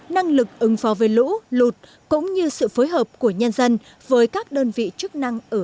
năng lực ứng phó với lũ lụt cũng như sự phối hợp của nhân dân với các đơn vị chức năng ở